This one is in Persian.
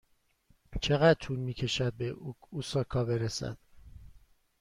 چقدر طول می کشد به اوساکا برسد؟